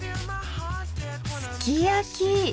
「すきやき」！